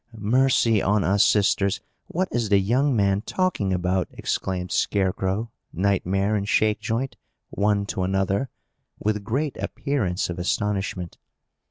"Mercy on us, sisters! what is the young man talking about?" exclaimed Scarecrow, Nightmare and Shakejoint, one to another, with great appearance of astonishment.